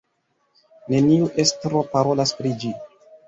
Neniu estro parolas pri ĝi.